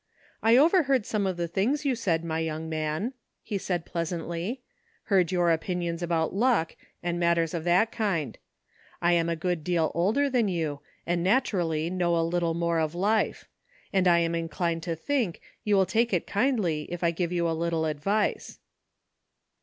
"I overheard some of the things you said, my young man," he said pleasantly; " heard your opinions about luck, and matters of that kind. I am a good deal older than you, and naturally know a little more of life ; and I am inclined ''LUCK." 327 to think you will take it kindly if I give you a little advice."